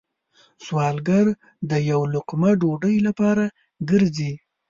سوالګر د یو لقمه ډوډۍ لپاره گرځي